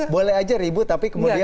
boleh aja ribut tapi kemudian